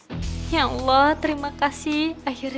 mengganggu approximate bengkalanya